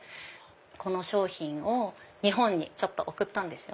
この商品を日本に送ったんです。